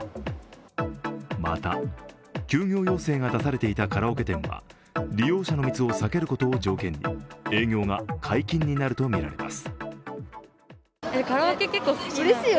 また、休業要請が出されていたカラオケ店は利用者の密を避けることを条件に営業が解禁になるとみられます。